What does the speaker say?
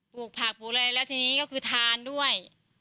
ลูกผักปลูกอะไรแล้วทีนี้ก็คือทานด้วย